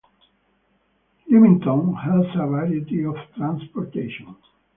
Leamington has a variety of transportation.